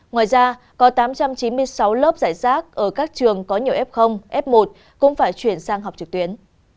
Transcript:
ngoài ra có tám trăm chín mươi sáu lớp giải rác ở các trường có nhiều f f một cũng phải chuyển sang học trực tuyến